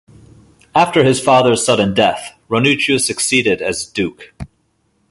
After his father's sudden death, Ranuccio succeeded as duke.